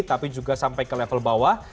tapi juga sampai ke level bawah